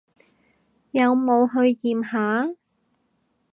有冇去驗下？